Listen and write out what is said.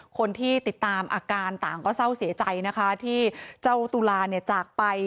คนที่ติดตามอาการต่างก็เศร้าเสียใจนะคะที่เจ้าตุลาเนี่ยจากไป